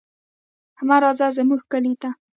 مه راځه زموږ کلي ته.